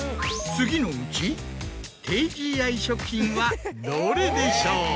次のうち低ＧＩ食品はどれでしょう？